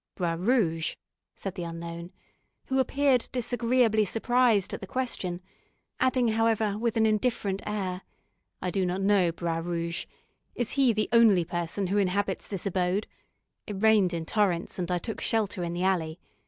"Bras Rouge?" said the unknown, who appeared disagreeably surprised at the question; adding, however, with an indifferent air, "I do not know Bras Rouge. Is he the only person who inhabits this abode? It rained in torrents, and I took shelter in the alley.